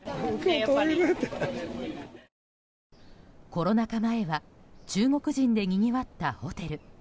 コロナ禍前は中国人でにぎわったホテル。